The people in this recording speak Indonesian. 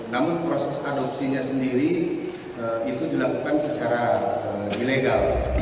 namun proses adopsinya sendiri itu dilakukan secara ilegal